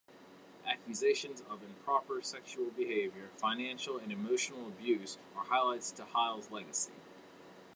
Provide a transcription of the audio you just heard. Accusations of improper sexual behavior, financial and emotional abuse are highlights to Hyle's legacy.